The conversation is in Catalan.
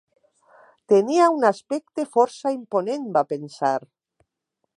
Tenia un aspecte força imponent, va pensar.